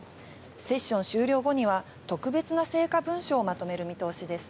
セッション終了後には、特別な成果文書をまとめる見通しです。